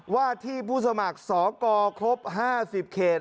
ว่าที่ผู้สมัครสกครบ๕๐เขต